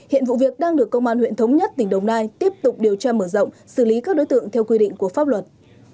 hiện vụ việc đang được công an huyện thống nhất tỉnh đồng nai tiếp tục điều tra mở rộng xử lý các đối tượng theo quy định của pháp luật